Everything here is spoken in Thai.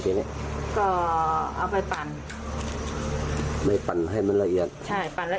ก็เอาไปปัญหรือปัญหาที่จะใช่ครับ